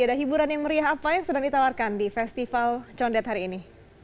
ada hiburan yang meriah apa yang sedang ditawarkan di festival condet hari ini